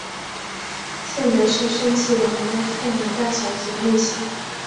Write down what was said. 性格是盛气凌人的臭美大小姐类型。